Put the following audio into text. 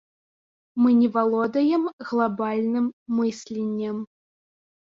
Мы не валодаем глабальным мысленнем.